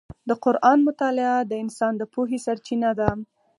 د قرآن مطالعه د انسان د پوهې سرچینه ده.